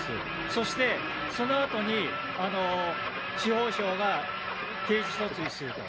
そしてそのあとに、司法省が刑事訴追すると。